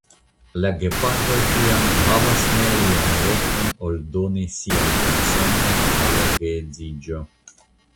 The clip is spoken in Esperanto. La gepatroj tiam havas ne alian elekton ol doni sian konsenton al la geedziĝo.